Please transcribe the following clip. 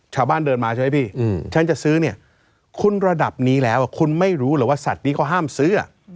ชาวบ้านเดินมาใช่ไหมพี่ฉันจะซื้อเนี่ยคุณระดับนี้แล้วคุณไม่รู้เหรอว่าสัตว์นี้เขาห้ามซื้อ